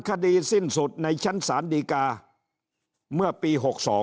คดีสิ้นสุดในชั้นศาลดีกาเมื่อปี๖๒